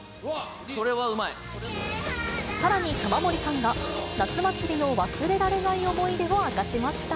それはうまさらに玉森さんが、夏祭りの忘れられない思い出を明かしました。